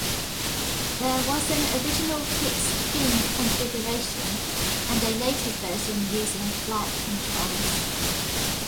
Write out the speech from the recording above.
There was an original fixed-fin configuration and a later version using flight controls.